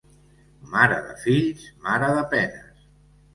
Mare de fills, mare de penes.